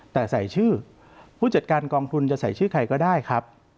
แต่ใส่ชื่อผู้จัดการกองทุนจะใส่ชื่อใครก็ได้ครับ